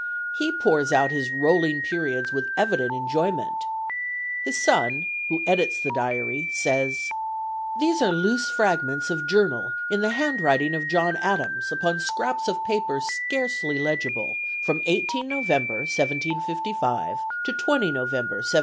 He pours out his rolling periods with evident enjoyment. His son, who edits the diary, says: "These are loose fragments of journal in the hand writing of John Adams upon scraps of paper scarcely legible, from 18 November, 1755, to 20 November, 1761.